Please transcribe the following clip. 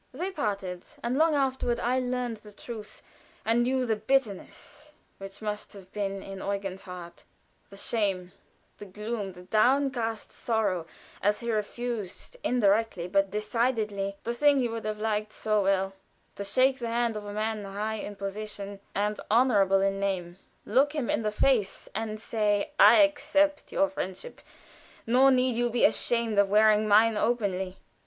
They parted, and long afterward I learned the truth, and knew the bitterness which must have been in Eugen's heart; the shame, the gloom; the downcast sorrow, as he refused indirectly but decidedly the thing he would have liked so well to shake the hand of a man high in position and honorable in name look him in the face and say, "I accept your friendship nor need you be ashamed of wearing mine openly."